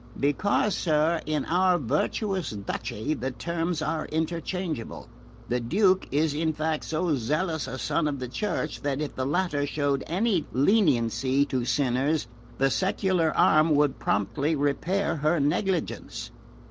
"Because, sir, in our virtuous duchy the terms are interchangeable. The Duke is in fact so zealous a son of the Church that if the latter showed any leniency to sinners the secular arm would promptly repair her negligence.